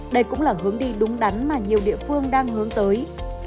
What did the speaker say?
đây cũng là hướng đi đúng đắn mà nhiều địa phương đang hướng tới